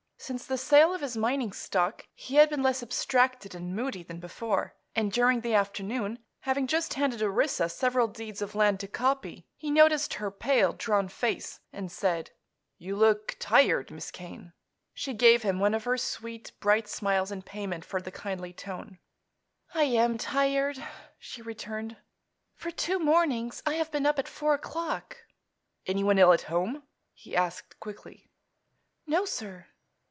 Since the sale of his mining stock he had been less abstracted and moody than before, and during the afternoon, having just handed Orissa several deeds of land to copy, he noticed her pale, drawn face and said: "You look tired, Miss Kane." She gave him one of her sweet, bright smiles in payment for the kindly tone. "I am tired," she returned. "For two mornings I have been up at four o'clock." "Anyone ill at home?" he asked quickly. "No, sir."